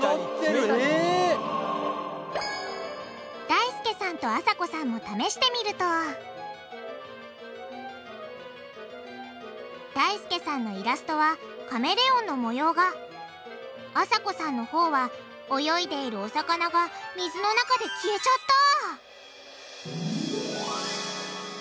だいすけさんとあさこさんも試してみるとだいすけさんのイラストはカメレオンの模様があさこさんのほうは泳いでいるお魚が水の中で消えちゃった！